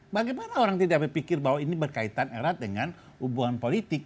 bagaimana orang tidak berpikir bahwa ini berkaitan erat dengan hubungan politik